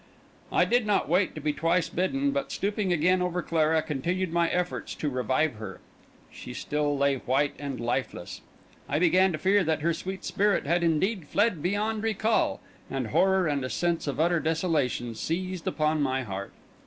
I did not wait to be twice bidden; but, stooping again over Clara, continued my efforts to revive her. She still lay white and lifeless; I began to fear that her sweet spirit had indeed fled beyond recall, and horror and a sense of utter desolation seized upon my heart.